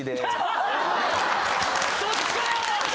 そっちかよ！